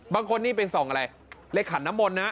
บางคนนี่ไปส่องอะไรเลขขันน้ำมนต์นะ